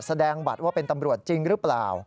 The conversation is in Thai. แสดงบัตรว่าเป็นตำรวจจริงหรือเปล่า